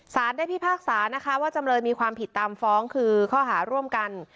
สารได้พิพากษานะคะว่าจำเลยมีความผิดตามฟ้องคือข้อหาร่วมกัน